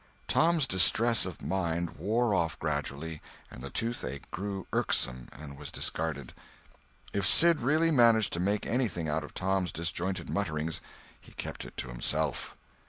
Tom's distress of mind wore off gradually and the toothache grew irksome and was discarded. If Sid really managed to make anything out of Tom's disjointed mutterings, he kept it to himself.